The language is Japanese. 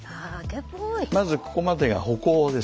まずここまでが歩行ですよね。